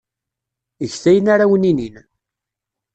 Get ayen ara awen-inin.